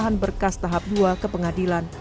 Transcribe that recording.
pengarahan berkas tahap dua ke pengadilan